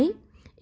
y thức người bệnh